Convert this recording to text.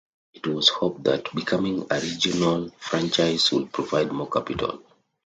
It was hoped that becoming a "regional" franchise would provide more capital.